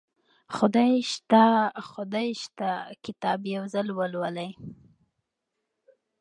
خدای شته خدای شته کتاب یو ځل ولولئ